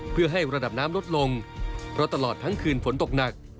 เพื่อให้ระดับน้ำลดลงเพราะตลอดทั้งคืนฝนตกหนัก